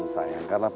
showcasing tentang ini